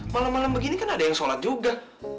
malem malem begini kan ada yang sholat juga